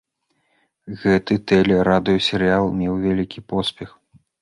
Гэты тэле- і радыёсерыял меў вялікі поспех.